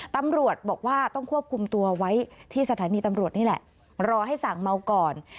ตำรวจบอกว่าต้องควบคุมตัวไว้ที่สถานีตำรวจนี่แหละรอให้สั่งเมาก่อน